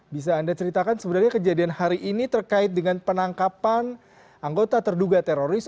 bisa anda ceritakan sebenarnya kejadian hari ini terkait dengan penangkapan anggota terduga teroris